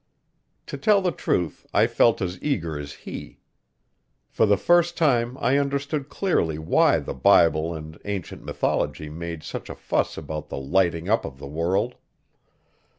To tell the truth, I felt as eager as he. For the first time I understood clearly why the Bible and ancient mythology made such a fuss about the lighting up of the world.